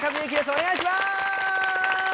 お願いします！